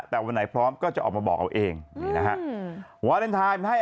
แต่วันไหนพร้อมก็จะออกมาบอกเอาเองนี่นะฮะ